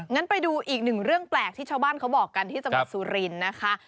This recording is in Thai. งั้นไปดูอีกหนึ่งเรื่องแปลกที่ชาวบ้านเขาบอกกันที่จังหวัดสุรินทร์นะคะ